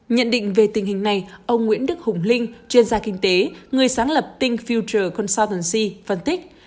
nhận định về tình hình này ông nguyễn đức hùng linh chuyên gia kinh tế người sáng lập thinkfuture consultancy phân tích